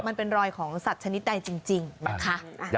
มันเป็นรอยของสัตว์ชนิดใดจริงนะคะ